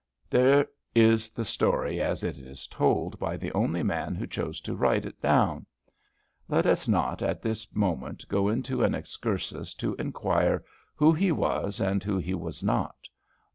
There is the story as it is told by the only man who chose to write it down. Let us not at this moment go into an excursus to inquire who he was and who he was not.